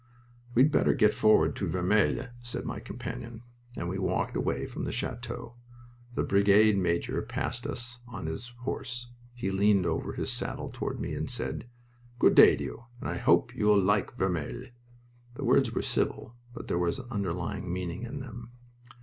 "We'd better get forward to Vermelles," said my companion. As we walked away from the chateau, the brigade major passed us on his horse. He leaned over his saddle toward me and said, "Good day to you, and I hope you'll like Vermelles." The words were civil, but there was an underlying meaning in them.